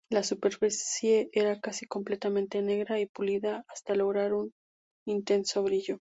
La superficie era casi completamente negra y pulida hasta lograr un intenso brillo.